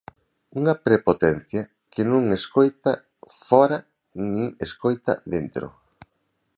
Unha prepotencia que non escoita fóra nin escoita dentro.